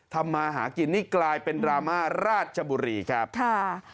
มาหากินนี่กลายเป็นดราม่าราชบุรีครับค่ะ